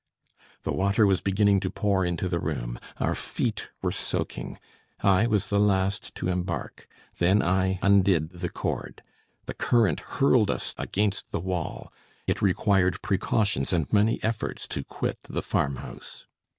The water was beginning to pour into the room. Our feet were soaking. I was the last to embark; then I undid the cord. The current hurled us against the wall; it required precautions and many efforts to quit the farmhouse.